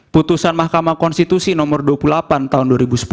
putusan mahkamah konstitusi nomor dua puluh delapan tahun dua ribu sepuluh